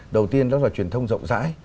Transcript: đầu tiên đó là truyền thông rộng rãi